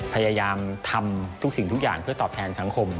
พยายามทำทุกสิ่งทุกอย่างเพื่อตอบแทนสังคม